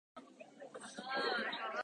華やかで美しい姿。